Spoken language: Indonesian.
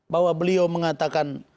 bahwa beliau mengatakan